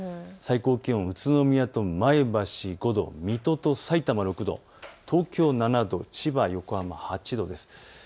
最高気温、宇都宮と前橋５度、水戸とさいたま６度、東京７度、千葉、横浜８度です。